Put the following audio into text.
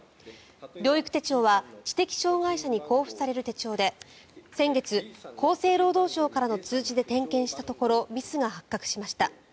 療育手帳は知的障害者に交付される手帳で先月、厚生労働省からの通知で点検したところミスが発覚しました。